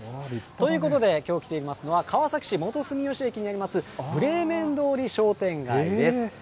ということで、きょう来ていますのは、川崎市元住吉駅にあります、ブレーメン通り商店街です。